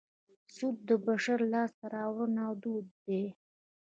سود د بشر لاسته راوړنه او دود دی